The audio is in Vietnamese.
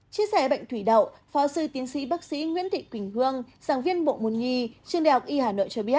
chia sẻ bệnh thủy đậu phó sư tiến sĩ bác sĩ nguyễn thị quỳnh hương giảng viên bộ môn nhi trường đại học y hà nội cho biết